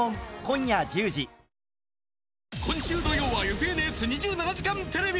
今週土曜は「ＦＮＳ２７時間テレビ」。